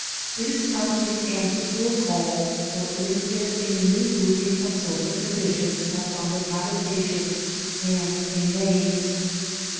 It has come in answer to a call, for in it a new grouping of social conditions has found a habitation and a name.